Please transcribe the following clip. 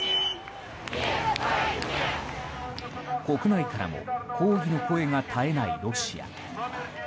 国内からも抗議の声が絶えないロシア。